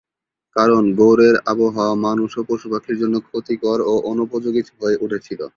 কারণ, গৌড়ের আবহাওয়া মানুষ ও পশুপাখির জন্য ক্ষতিকর ও অনুপযোগী হয়ে উঠেছিল।